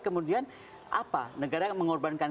kemudian apa negara yang mengorbankan